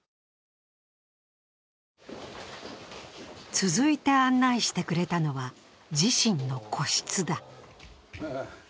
続いて案内してくれたのは自身の個室だ。